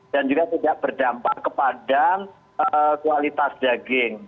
dan juga tidak berdampak kepada kualitas daging